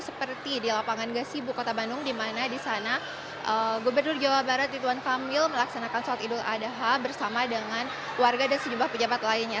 seperti di lapangan gasibu kota bandung di mana di sana gubernur jawa barat rituan kamil melaksanakan sholat idul adha bersama dengan warga dan sejumlah pejabat lainnya